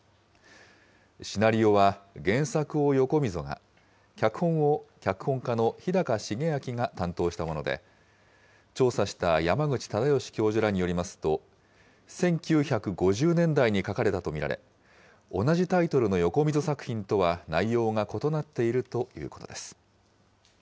シナリオは原作を横溝が、脚本を脚本家の日高繁明が担当したもので、調査した山口直孝教授らによりますと、１９５０年代に書かれたと見られ、同じタイトルの横溝作品とは内容が異なっているということです。